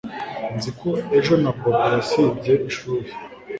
Nzi ko ejo na Bobo wasibye ishuri